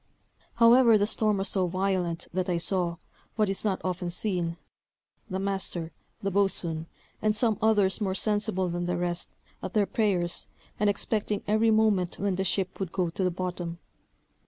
However the storm was so violent, that I saw, what is not often seen, the master, the boatswain, and some others more sensible than the rest, at their prayers, and expecting every moment when the ship would go to the bottom.